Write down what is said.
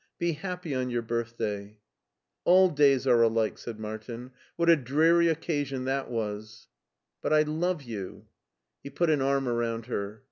Be happy on your birthday." " All days are alike," said Martin. " What a dreary occasion that was." LEIPSIC , 165 But I love you." He put an arm around her.